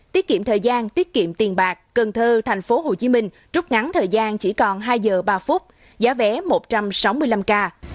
tiết kiệm thời gian tiết kiệm tiền bạc cần thơ tp hcm rút ngắn thời gian chỉ còn hai giờ ba phút giá vé một trăm sáu mươi năm k